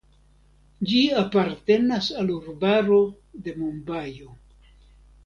Ĝi apartenas al urbaro de Mumbajo.